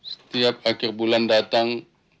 setiap akhir bulan datang